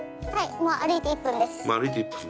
もう歩いて１分ね。